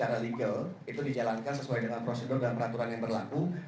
profil kki jakarta bagaimana menurut anda